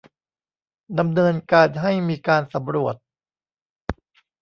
ดำเนินการให้มีการสำรวจ